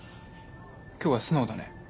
今日は素直だね。